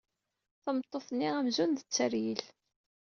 Tameṭṭut-nni amzun d Tteryel.